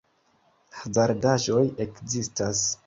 Hazardaĵoj ekzistas.